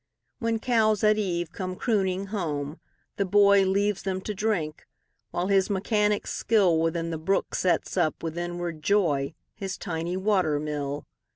When cows at eve come crooning home, the boyLeaves them to drink, while his mechanic skillWithin the brook sets up, with inward joy, His tiny water mill.